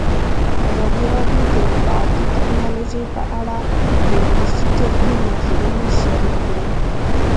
ازادي راډیو د اطلاعاتی تکنالوژي په اړه د ولسي جرګې نظرونه شریک کړي.